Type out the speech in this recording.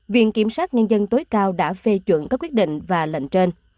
viện kiểm sát nhân dân tối cao đã phê chuẩn các quyết định và lệnh trên